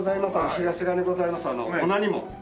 東側にございます御成門。